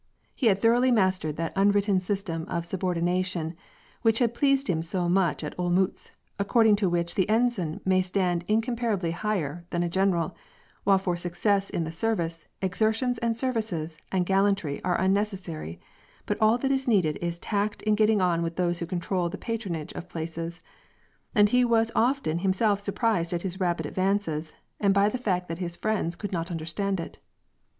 He had thoroughly mastered that unwritten system of subordina tion which had pleased him so much at Olmtttz, according to which the ensign may stand incomparably higher than a gen eral, while for success in the service, exertions and services and gallantry are unnecessary, but all that is needed is tact in getting on with those who control the patronage of places : and he was often himself surprised at his rapid advances, and by the fact that his friends could not understand it.